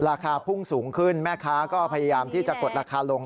ราคาพุ่งสูงขึ้นแม่ค้าก็พยายามที่จะกดราคาลง